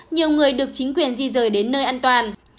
nhiều người được chính quyền di rời đến nơi an toàn